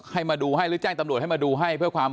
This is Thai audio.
หรือแจ้งตำรวจให้มาดูให้